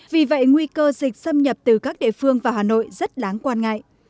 vì vậy nguy cơ dịch xâm nhập từ các địa phương vào hà nội rất đáng quan ngại